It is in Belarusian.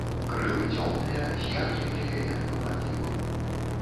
Крылы цёмныя з яркім фіялетавым адлівам.